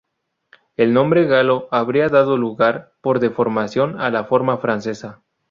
El nombre galo habría dado lugar, por deformación, a la forma francesa.··.